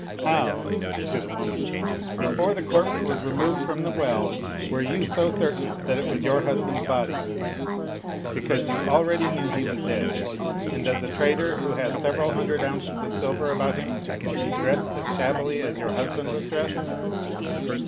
How [to the woman], before the corpse was removed from the well, were you so certain that it was your husband's body? Because you al ready knew he was dead. And does a trader who has sev eral hundred ounces of silver about him dress as shabbily as your husband was dressed?